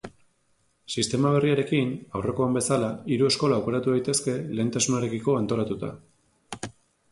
Sistema berriarekin, aurrekoan bezala, hiru eskola aukeratu daitezke lehentasunarekiko antolatuta.